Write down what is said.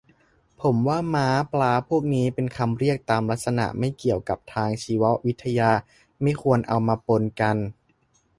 ผมว่า ม้า ปลา พวกนี้ เป็นคำเรียกตามลักษณะ ไม่เกี่ยวกับทางชีววิทยา ไม่ควรเอามาปนกัน